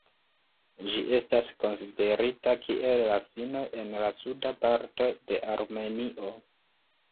Ĝi estas konsiderita kiel la fino en la suda parto de Armenio.